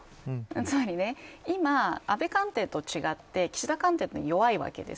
つまり今、安倍官邸と違って岸田官邸は弱いわけです。